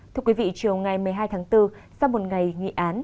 thưa quý vị chiều ngày một mươi hai tháng bốn sau một ngày nghị án